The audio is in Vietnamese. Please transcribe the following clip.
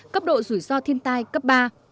cấp độ rủi ro thiên tai cấp ba